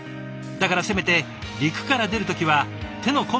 だからせめて陸から出る時は手の込んだ弁当を。